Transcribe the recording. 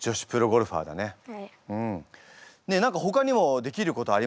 じゃあ何かほかにもできることありますか？